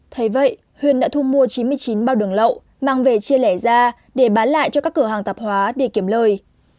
thay vậy huyên đã thu mua chín mươi chín bao đường lậu mang về chia lẻ ra để bán lại cho các cửa hàng tạp hóa để kiểm lời